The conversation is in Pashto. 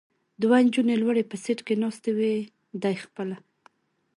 دوه نجونې لوړ په سېټ کې ناستې وې، دی خپله.